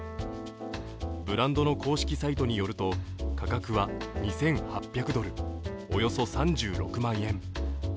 ブランドの公式サイトによると価格は２８００ドル、およそ３６万円。